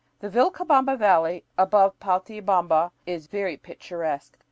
The Vilcabamba Valley above Paltaybamba is very picturesque.